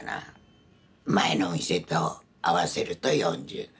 前の店と合わせると４０。